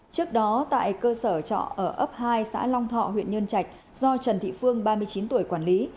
trước đó tại cơ sở trọ ở ấp hai xã long thọ huyện nhân trạch do trần thị phương ba mươi chín tuổi quản lý